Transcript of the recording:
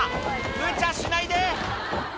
むちゃしないで。